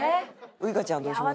ウイカちゃんはどうします？